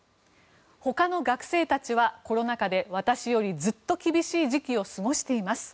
他の学生たちはコロナ禍で私よりずっと厳しい時期を過ごしています。